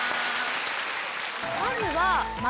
まずは。